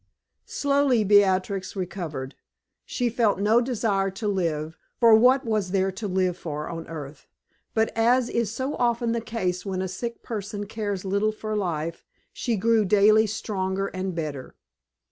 Slowly Beatrix recovered. She felt no desire to live, for what was there to live for on earth? But as is so often the case when a sick person cares little for life, she grew daily stronger and better.